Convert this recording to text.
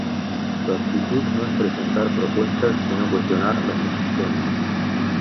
Su actitud no es presentar propuestas sino cuestionar las existentes.